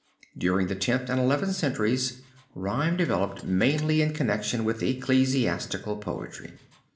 During the Tenth and Eleventh centuries rhyme developed mainly in connection with ecclesiastical poetry.